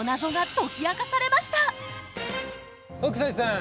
北斎さん